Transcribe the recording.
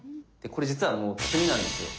これ実はもう詰みなんですよ。